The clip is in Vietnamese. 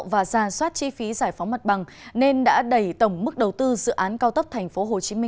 và ra soát chi phí giải phóng mặt bằng nên đã đẩy tổng mức đầu tư dự án cao tốc tp hcm